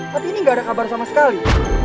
tapi ini nggak ada kabar sama sekali